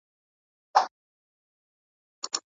زه ګرېوان د پښتانه یم جوړ به نه سم